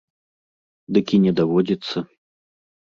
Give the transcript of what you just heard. Дык і не даводзіцца.